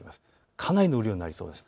かなりの雨量になりそうです。